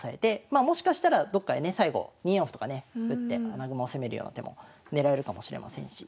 まあもしかしたらどっかでね最後２四歩とかね打って穴熊を攻めるような手も狙えるかもしれませんし。